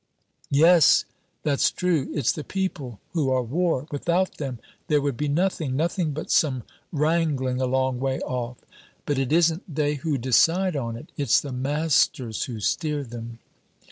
"Yes, that's true. It's the people who are war; without them, there would be nothing, nothing but some wrangling, a long way off. But it isn't they who decide on it; it's the masters who steer them."